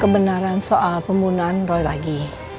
kebenaran soal pembunuhan roy lagi